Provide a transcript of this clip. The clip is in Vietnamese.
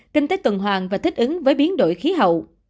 kinh tế tuần hoàng và thích ứng với biến đổi khí hậu